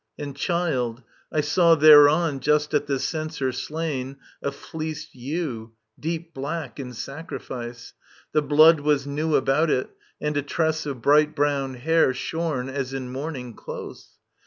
And, child, I saw thereon Just at the censer slain, a fleec^ ewe, Deep black, in sacrifice : the blood was new About it : and a tress of bright brown hair Shorn as in mourning, close.